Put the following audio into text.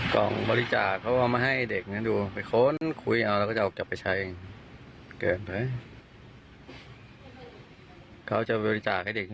กล่องบริจาคเขาเอามาให้เด็กเนี่ยดู